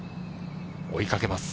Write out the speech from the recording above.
追いかけます。